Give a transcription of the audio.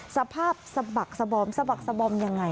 สภาพสะบักสบอมสะบักสบอมยังไง